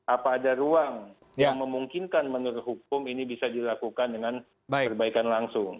apa ada ruang yang memungkinkan menurut hukum ini bisa dilakukan dengan perbaikan langsung